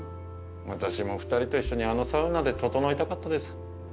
私も２人と一緒にあのサウナでととのいたかったです。